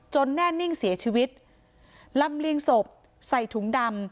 แน่นิ่งเสียชีวิตลำเลียงศพใส่ถุงดำ